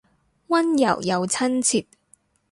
溫柔又親切